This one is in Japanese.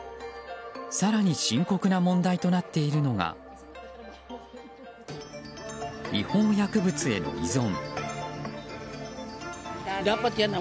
更に、深刻な問題となっているのが違法薬物への依存。